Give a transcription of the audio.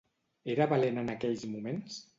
Era valent en aquells moments?